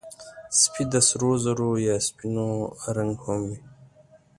سپي د سرو زرو یا سپینو رنګه هم وي.